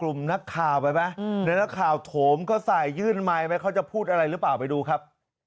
เราไปทำอะไรพี่ยังอาวะนะครับ